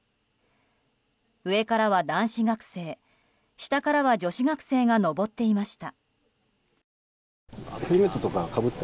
上からは男子学生下からは女子学生が上っていました。